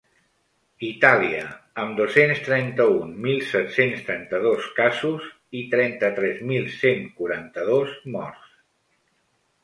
Itàlia, amb dos-cents trenta-un mil set-cents trenta-dos casos i trenta-tres mil cent quaranta-dos morts.